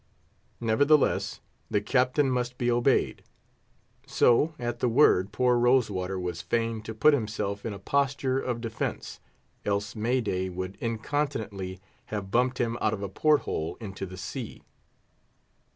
Nevertheless, the Captain must be obeyed; so at the word poor Rose water was fain to put himself in a posture of defence, else May day would incontinently have bumped him out of a port hole into the sea.